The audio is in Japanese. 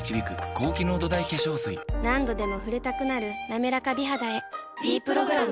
何度でも触れたくなる「なめらか美肌」へ「ｄプログラム」